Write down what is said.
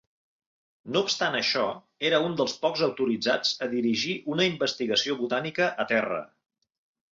No obstant això, era un dels pocs autoritzats a dirigir una investigació botànica a terra.